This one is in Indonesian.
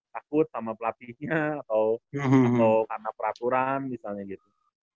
takut sama pelatihnya atau karena peraturan misalnya gitu